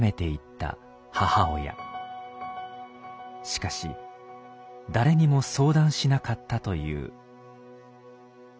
しかし誰にも相談しなかったという。